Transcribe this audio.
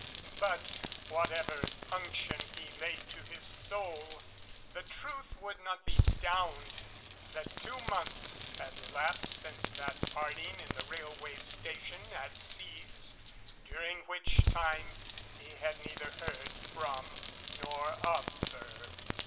But, whatever unction he laid to his soul, the truth would not be downed that two months had elapsed since that parting in the railway station at Sees during which time he had neither heard from nor of her.